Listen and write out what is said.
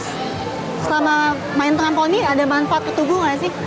selama main trampolin ada manfaat ketubuh nggak sih